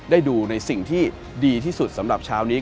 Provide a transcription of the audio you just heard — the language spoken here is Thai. ได้ดูในสิ่งที่ดีที่สุดสำหรับเช้านี้